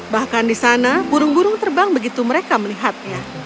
bahkan di sana burung burung terbang begitu mereka melihatnya